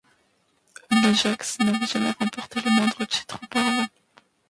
L'Ajax n'avait jamais remporté le moindre titre auparavant.